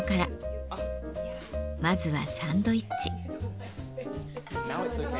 まずはサンドイッチ。